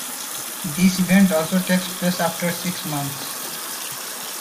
This event also takes place after six months.